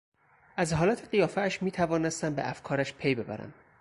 از حالت قیافهاش میتوانستم به افکارش پی ببرم.